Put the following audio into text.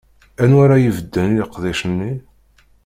Anwa ara ibedden i leqdic-nni?